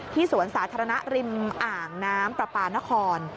สวนสาธารณะริมอ่างน้ำประปานคร